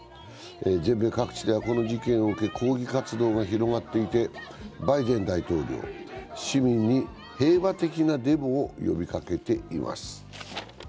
全米各地ではこの事件を受け抗議活動が広がっていて、バイデン大統領、市民に平和的なデモを呼びかけています。